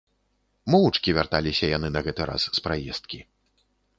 Моўчкі вярталіся яны на гэты раз з праездкі.